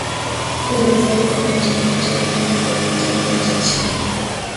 Él huyó al convento de Santo Domingo para evitar la detención.